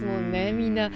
みんな。